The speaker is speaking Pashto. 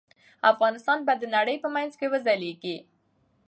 افغانستان به د نړۍ په منځ کې وځليږي.